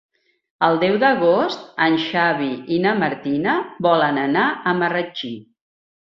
El deu d'agost en Xavi i na Martina volen anar a Marratxí.